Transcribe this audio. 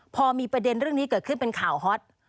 พอมีประเด็นเรื่องนี้เกิดขึ้นเป็นข่าวฮอต